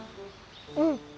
うん。